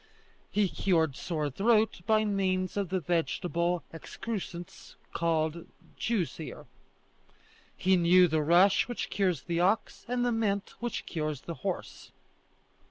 He cured sore throat by means of the vegetable excrescence called Jew's ear. He knew the rush which cures the ox and the mint which cures the horse.